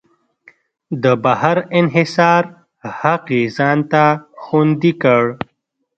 د بهر انحصار حق یې ځان ته خوندي کړ.